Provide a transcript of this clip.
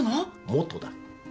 「元」だ。